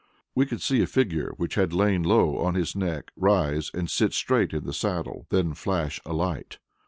We could see a figure which had lain low on his neck rise and sit straight in the saddle, then flash a light.